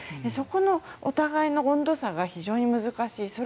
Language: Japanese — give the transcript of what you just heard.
そこのお互いの温度差が非常に難しい。